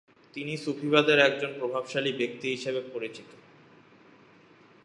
তিনি সুফিবাদের একজন প্রভাবশালী ব্যক্তি হিসাবে পরিচিত।